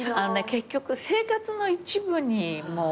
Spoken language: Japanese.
結局生活の一部にもう。